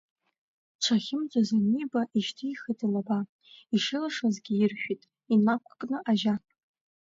Дшахьымӡоз аниба, ишьҭихт илаба, Ишилшозгьы иршәит, инақәкын Ажьа…